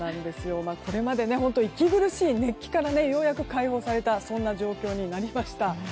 これまで本当に息苦しい熱気からようやく解放された状況になりました。